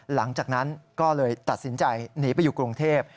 หลังจากนั้นก็เลยตัดสินใจหนีไปอยู่กรุงเทพ